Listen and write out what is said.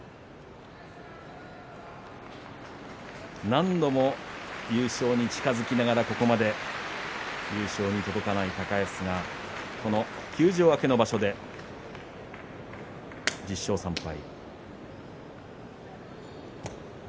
何度も優勝に近づきながら、ここまで優勝に届かない高安が休場明けの場所で１０勝３敗。